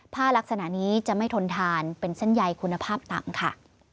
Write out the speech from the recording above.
ลักษณะนี้จะไม่ทนทานเป็นเส้นใยคุณภาพต่ำค่ะ